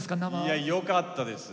いやよかったです。